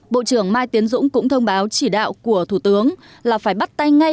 bộ trưởng mai tiến dũng cũng thông báo chỉ đạo của thủ tướng là phải bắt tay ngay